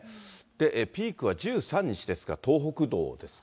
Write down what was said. ピークは１３日ですか、東北道ですか。